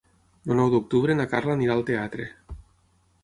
El nou d'octubre na Carla anirà al teatre.